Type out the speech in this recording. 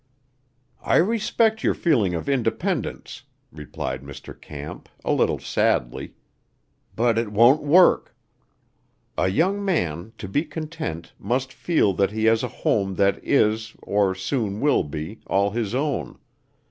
"I respect your feeling of independence," replied Mr. Camp, a little sadly, "but it won't work. A young man, to be content, must feel that he has a home that is, or soon will be, all his own.